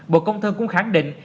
bộ công thương cũng khẳng định